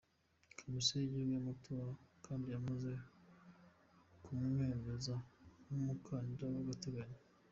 Komisiyo y’Igihugu y’Amatora kandi yamaze kumwemeza nk’umukandida w’agateganyo.